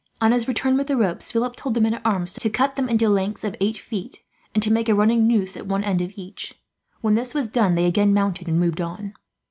On his return with the ropes, Philip told the men at arms to cut them into lengths of eight feet, and to make a running noose at one end of each. When this was done, they again mounted and moved on.